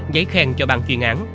giấy khen cho bàn chuyên án